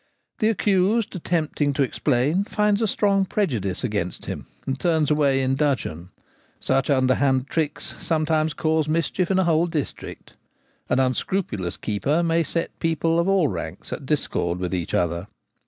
The accused, attempting to ex plain, finds a strong prejudice against him, and turns away in dudgeon. Such underhand tricks sometimes cause mischief in a whole district. An unscrupulous keeper may set people of all ranks at discord with each other.